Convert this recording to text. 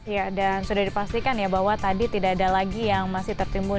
ya dan sudah dipastikan ya bahwa tadi tidak ada lagi yang masih tertimbun